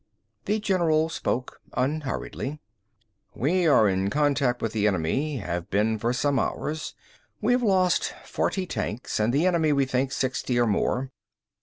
The general spoke unhurriedly. "We are in contact with the enemy, have been for some hours. We have lost forty tanks and the enemy, we think, sixty or more.